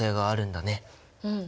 うん。